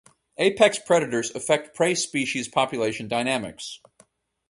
Apex predators affect prey species' population dynamics.